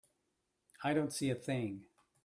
I don't see a thing.